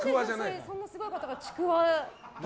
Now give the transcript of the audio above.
何でそんなすごい方がちくわで。